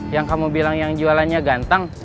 yang kamu bilang yang jualannya ganteng